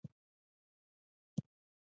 احساس د ژوند خوږه برخه ده.